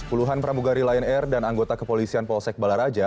puluhan pramugari lion air dan anggota kepolisian polsek balaraja